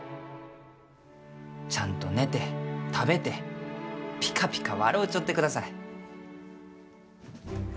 ちゃんと寝て食べてピカピカ笑うちょってください。